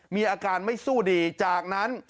มีอาการไม่สู้ดีจากนั้น